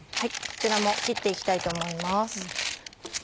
こちらも切って行きたいと思います。